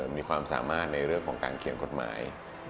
มีความสามารถในเรื่องของการเขียนกฎหมาย